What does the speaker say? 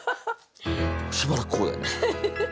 しばらくこうだよね。